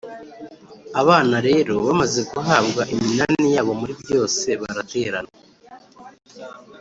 Abana rero bamaze guhabwa iminani yabo muri byose, baraterana